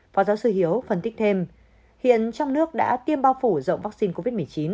phó giáo sư hiếu phân tích thêm hiện trong nước đã tiêm bao phủ rộng vaccine covid một mươi chín